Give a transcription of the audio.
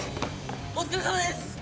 お疲れさまです！